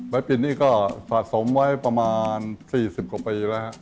ปินนี่ก็สะสมไว้ประมาณ๔๐กว่าปีแล้วครับ